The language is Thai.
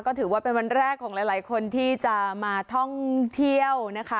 ก็ถือว่าเป็นวันแรกของหลายคนที่จะมาท่องเที่ยวนะคะ